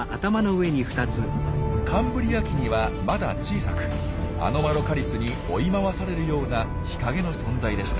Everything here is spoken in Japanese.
カンブリア紀にはまだ小さくアノマロカリスに追い回されるような日陰の存在でした。